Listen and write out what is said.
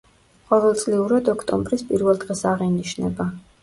ყოველწლიურად ოქტომბრის პირველ დღეს აღინიშნება.